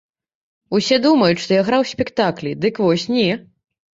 Усе думаюць, што я граў спектаклі, дык вось не!